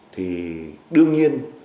thì đương nhiên